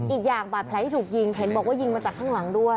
อีกอย่างบาดแผลที่ถูกยิงเห็นบอกว่ายิงมาจากข้างหลังด้วย